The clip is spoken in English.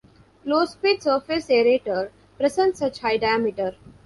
Low speed surface aerator present such high diameter.